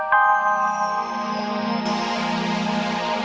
kamu sudah selesai